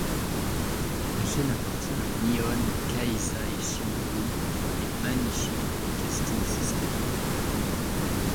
La chaîne appartient à Nihon Keizai Shimbun et Mainichi Broadcasting System.